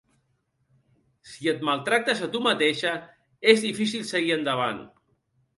Si et maltractes a tu mateixa, és difícil seguir endavant.